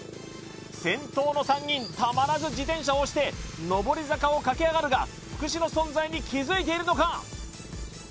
先頭の３人たまらず自転車を押して上り坂を駆け上がるが福士の存在に気づいているのか？